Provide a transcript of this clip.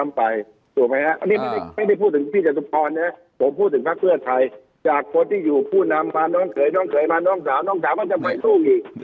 อากสูตรที่อยู่ผู้นำพาน้องเผยน้องเผยพาน้องสาวน้องสาวจะไปสู้งี